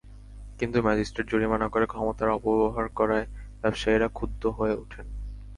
কিন্তু ম্যাজিস্ট্রেট জরিমানা করে ক্ষমতার অপব্যবহার করায় ব্যবসায়ীরা ক্ষুব্ধ হয়ে ওঠেন।